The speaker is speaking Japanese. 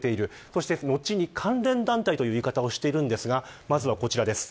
そして、後に、関連団体という言い方をしているんですがまずは、こちらです。